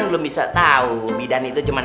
belum bisa tahu bidan itu cuma